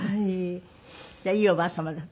じゃあいいおばあ様だったの？